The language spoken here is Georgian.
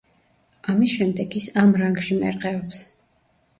ამის შემდეგ, ის ამ რანგში მერყეობს.